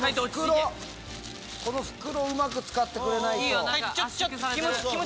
この袋うまく使ってくれないと。